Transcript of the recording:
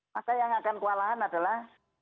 maka yang akan kewalahan adalah